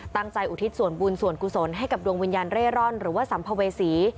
อุทิศส่วนบุญส่วนกุศลให้กับดวงวิญญาณเร่ร่อนหรือว่าสัมภเวษี